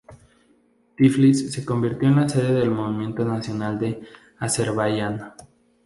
Tiflis se convirtió en la sede del Movimiento Nacional de Azerbaiyán.